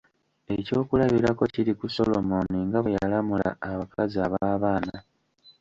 Ekyokulabirako kiri ku Solomon nga bwe yalamula abakazi ab'abaana.